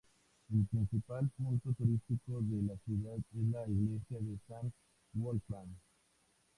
El principal punto turístico de la ciudad es la iglesia de San Wolfram.